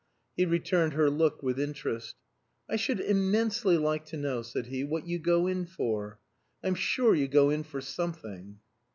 He returned her look with interest. "I should immensely like to know," said he, "what you go in for. I'm sure you go in for something."